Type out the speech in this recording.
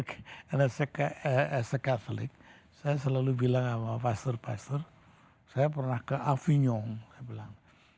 dan sebagai katolik saya selalu bilang sama pastor pastor saya pernah ke avignon